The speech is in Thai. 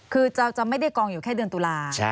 คือจะไม่ได้กองอยู่แค่เดือนตุลา